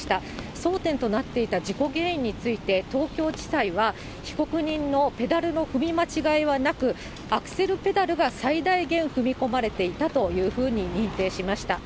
争点となっていた事故原因について、東京地裁は、被告人のペダルの踏み間違えはなく、アクセルペダルが最大限踏み込まれていたというふうに認定しました。